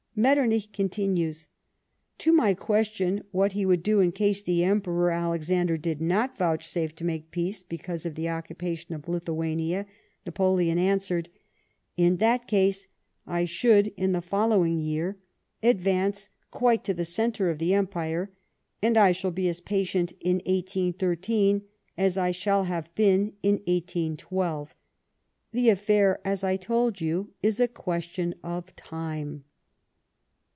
Metternich continues :" To my question what he would do in case the Emperor Alexander did not vouchsafe to make peace because of the occupation of Lithuania," Napoleon answered :" In that case I should in the following year advance quite to the centre of the Empire, and I shall be as patient in 1813 as I shall have been in 1812. The affair, as I told you, is a question of time."